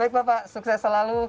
baik bapak sukses selalu